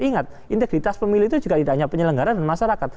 ingat integritas pemilih itu juga tidak hanya penyelenggara dan masyarakat